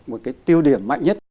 một cái tiêu điểm mạnh nhất